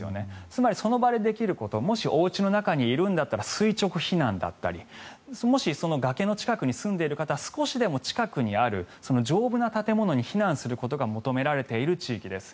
つまり、その場でできることもしおうちの中にいるんだったら垂直避難だったりもし崖の近くに住んでいる方は少しでも近くにある丈夫な建物に避難することが求められている地域です。